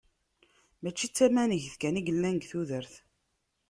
Mačči d tamanegt kan i yellan deg tudert.